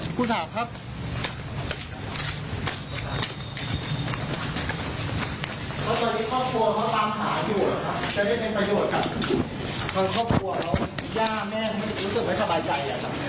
คนครอบครัวแล้วย่าแม่งไม่รู้สึกไว้สบายใจ